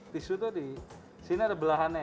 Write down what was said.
tisu tadi sini ada belahannya ya